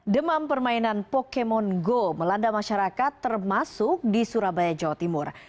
demam permainan pokemon go melanda masyarakat termasuk di surabaya jawa timur